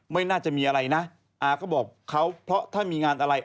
ไม่น่าจะมีอะไรนะอาก็บอกเขาเพราะถ้ามีงานอะไร